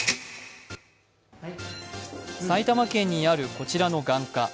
埼玉県にあるこちらの眼科。